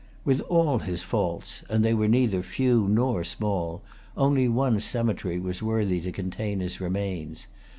With all his faults,—and they were neither few nor small,—only one cemetery was worthy to contain his remains.